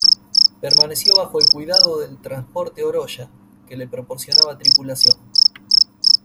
Permaneció bajo el cuidado del transporte "Oroya", que le proporcionaba tripulación.